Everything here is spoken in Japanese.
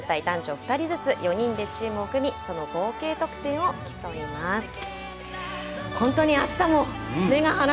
男女２人ずつ４人でチームを組みその合計得点を競います。